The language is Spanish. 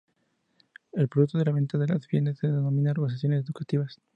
El producto de la venta de los bienes se donaría a organizaciones educativas.